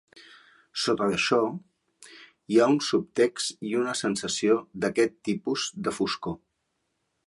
Sota d'això, hi ha un subtext i una sensació d'aquest tipus de foscor.